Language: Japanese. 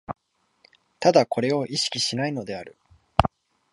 唯これを意識しないのである。